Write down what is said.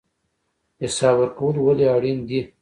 حساب ورکول ولې اړین دي؟